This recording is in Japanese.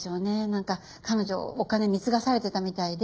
なんか彼女お金貢がされてたみたいで。